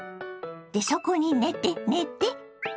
でそこに寝て寝て。